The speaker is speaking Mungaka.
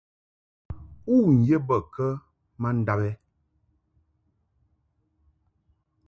U ye bə kə ma ndab ɛ ?